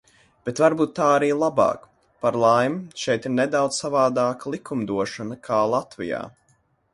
Bet varbūt tā arī labāk. Par laimi, šeit ir nedaudz savādāka likumdošana, kā Latvijā.